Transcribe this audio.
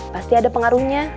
pasti ada pengaruhnya